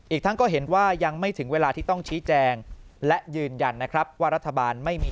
อีกทั้งก็เห็นว่ายังไม่ถึงเวลาที่ต้องชี้แจงและยืนยันนะครับว่ารัฐบาลไม่มี